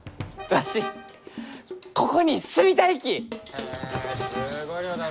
へえすごい量だな。